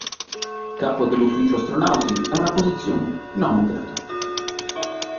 Capo dell'Ufficio astronauti è una posizione, non un grado.